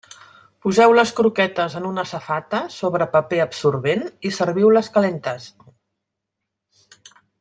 Poseu les croquetes en una safata sobre paper absorbent i serviu-les calentes.